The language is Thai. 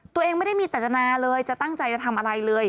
ตัวเองไม่ได้มีจัตนาเลยจะตั้งใจจะทำอะไรเลย